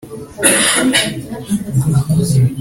abayuda barijijwe n itegeko ry umwami bababwiye